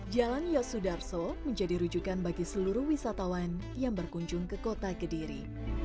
jalan yosudarso menjadi rujukan bagi seluruh wisatawan yang berkunjung ke kota kediri